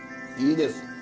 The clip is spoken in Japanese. いいです。